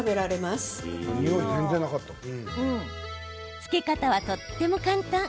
漬け方はとっても簡単。